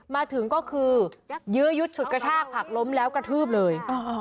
มาถึงก็คือยื้อยุดฉุดกระชากผักล้มแล้วกระทืบเลย